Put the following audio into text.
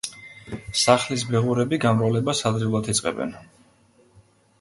სახლის ბეღურები გამრავლებას ადრეულად იწყებენ.